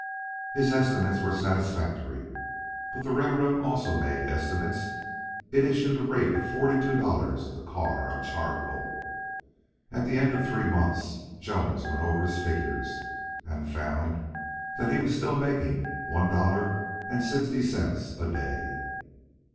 His estimates were satisfactory. But the railroad also made estimates. It issued a rate of forty two dollars a car on charcoal. At the end of three months, Jones went over his figures, and found that he was still making one dollar and sixty cents a day.